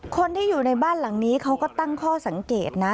คนที่อยู่ในบ้านหลังนี้เขาก็ตั้งข้อสังเกตนะ